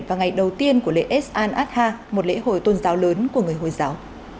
vào ngày đầu tiên của lễ es an adha một lễ hồi tôn giáo lớn của người hồi giáo